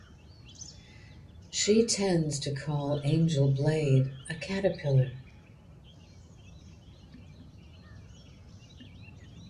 She tends to call Angel Blade a caterpillar.